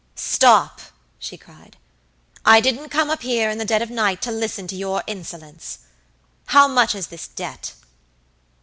"Stop," she cried. "I didn't come up here in the dead of night to listen to your insolence. How much is this debt?"